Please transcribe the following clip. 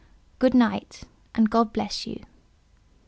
Good night, and God bless you!"